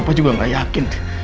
papa juga gak yakin